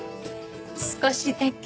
少しだけ。